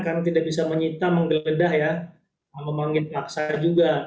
karena tidak bisa menyita menggedah memanggil paksa juga